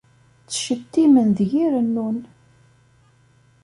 Ttcettimen deg-i rennun.